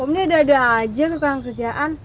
om ini ada ada aja kekurangan kerjaan